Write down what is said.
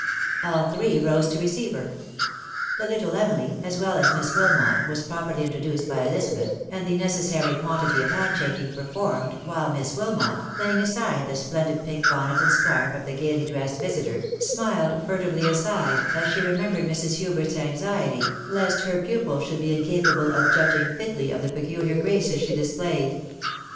All three rose to receive her. The little Emily, as well as Miss Wilmot was properly introduced by Ehzabeth, and the necessary quantity of hand shaking performed, while Miss Wilmot, laying aside the splendid pink bonnet and scarf of the gaily dressed ■ visitor, smiled furtively aside, as she remembered Mrs. Hubert's anxiety lest her pupil should be incapable of judging fitly of the peculiar graces she displayed.